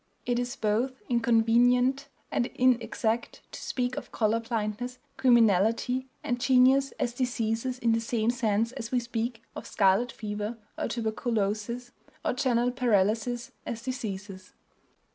It is both inconvenient and inexact to speak of color blindness, criminality, and genius as diseases in the same sense as we speak of scarlet fever or tuberculosis or general paralysis as diseases.